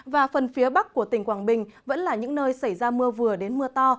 và phần phía bắc của tỉnh quảng bình vẫn là những nơi xảy ra mưa vừa đến mưa to